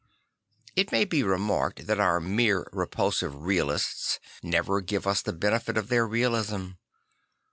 It may be remarked that our more repulsive realists never give us the benefit of their realism.